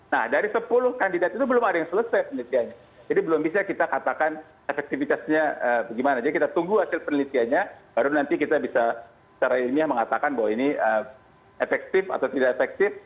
nah dari sepuluh kandidat itu belum ada yang selesai penelitiannya jadi belum bisa kita katakan efektivitasnya bagaimana jadi kita tunggu hasil penelitiannya baru nanti kita bisa secara ilmiah mengatakan bahwa ini efektif atau tidak efektif